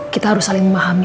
kita harus saling memahami